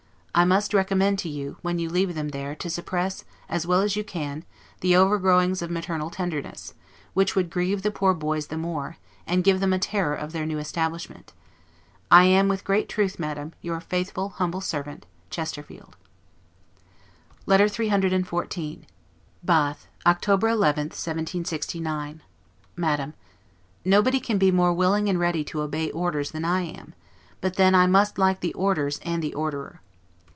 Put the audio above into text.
I must recommend to you, when you leave them there, to suppress, as well as you can, the overgrowings of maternal tenderness; which would grieve the poor boys the more, and give them a terror of their new establishment. I am, with great truth, Madam, your faithful, humble servant, CHESTERFIELD. LETTER CCCXIV BATH, October 11, 1769. MADAM: Nobody can be more willing and ready to obey orders than I am; but then I must like the orders and the orderer.